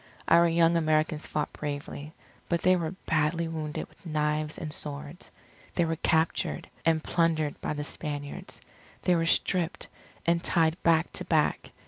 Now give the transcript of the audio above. Our young Americans fought bravely, but they were badly wounded with knives and swords. They were captured, and plundered by the Spaniards. They were stripped, and tied back to back.